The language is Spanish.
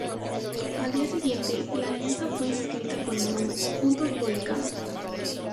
Al día siguiente, la alianza fue inscrita con el nombre "Juntos por el Cambio".